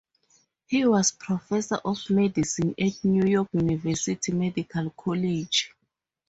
He was Professor of Medicine at New York University Medical College.